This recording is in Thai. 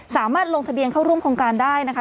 สามารถลงทะเบียนเข้าร่วมโครงการได้นะคะ